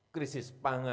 urusan krisis pangan